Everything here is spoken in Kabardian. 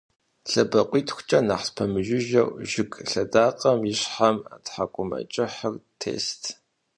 ЛъэбакъуитхукӀэ нэхъ спэмыжыжьэу, жыг лъэдакъэм и щхьэм тхьэкӀумэкӀыхьыр тест.